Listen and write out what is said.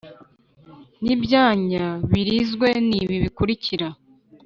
N ibyanya birinzwe ni ibi bikurikira